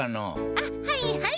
あっはいはい。